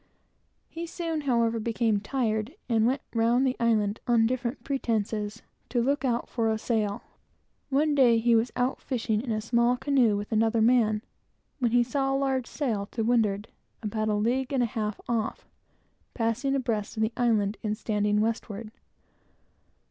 He soon, however, became tired, and went round the island, on different pretences, to look out for a sail. One day, he was out fishing in a small canoe with another man, when he saw a large sail to the windward, about a league and a half off, passing abreast of the island and standing westward.